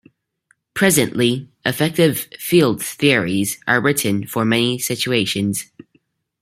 Presently, effective field theories are written for many situations.